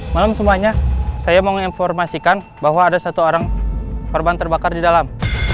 malam semuanya saya mau informasikan bahwa ada satu orang korban terbakar di dalam